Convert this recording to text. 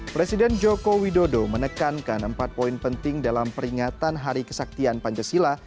presiden joko widodo menekankan empat poin penting dalam peringatan hari kesaktian pancasila